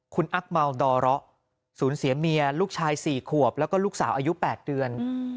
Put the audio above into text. คุณอัครเบลวสูญเสียเมียลูกชาย๔ครวบและลูกสาวอายุ๘เดือน